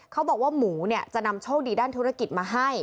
เขาบอกว่าหมูจะนำโชคดีด้านธุรกิจมาให้